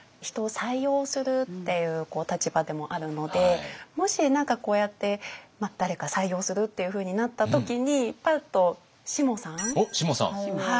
人を採用するっていう立場でもあるのでもし何かこうやって誰か採用するっていうふうになった時にパッとしもさん。